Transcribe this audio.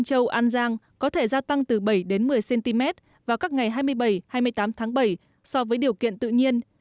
tân châu an giang có thể gia tăng từ bảy một mươi cm vào các ngày hai mươi bảy hai mươi tám tháng bảy so với điều kiện tự nhiên